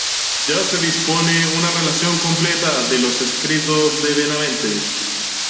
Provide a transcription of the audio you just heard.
Ya se dispone de una relación completa de los escritos de Benavente.